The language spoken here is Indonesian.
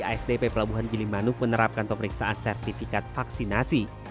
asdp pelabuhan gilimanuk menerapkan pemeriksaan sertifikat vaksinasi